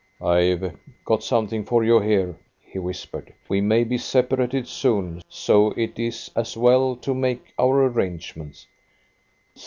"I've got something for you here," he whispered. "We may be separated soon, so it is as well to make our arrangements."